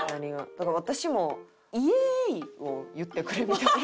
だから私も「“イエーイ”を言ってくれ」みたいな。